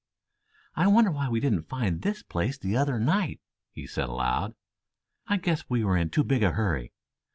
"I wonder why we didn't find this place the other night," he said aloud. "I guess we were in too big a hurry.